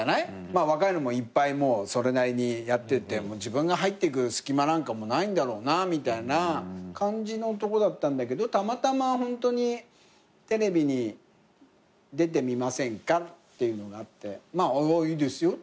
まあ若いのもいっぱいもうそれなりにやってて自分が入っていく隙間なんかないんだろうなみたいな感じのとこだったんだけどたまたまホントに「テレビに出てみませんか？」っていうのがあってあいいですよ。